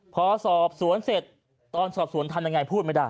พอสอบสวนเสร็จตอนสอบสวนทำยังไงพูดไม่ได้